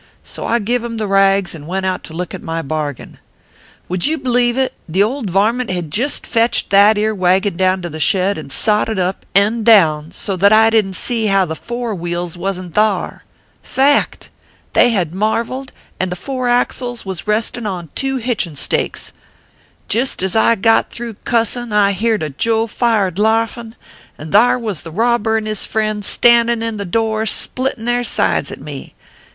So I give him the rags, and went out to look at my bargain. Would you bleave it, the old varmint had jist fetched that ere wagon down to the shed, and sot it up end on, so that I didn t see how the fore wheels wasn t thar ! Fact ! They had marvelled, and the fore axles was res tin on two hitchin stakes : Jist as I got through cussin, I heerd a jofired larfin, and thar was the robber and his friends standin in the door, splittin their sides at me.